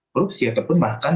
korupsi ataupun bahkan